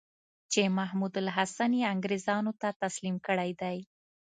چې محمودالحسن یې انګرېزانو ته تسلیم کړی دی.